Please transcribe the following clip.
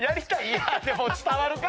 でも伝わるか？